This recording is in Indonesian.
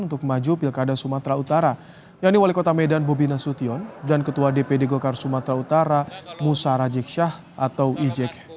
untuk maju pilkada sumatera utara yaitu wali kota medan bobi nasution dan ketua dpd golkar sumatera utara musa rajik syah atau ijek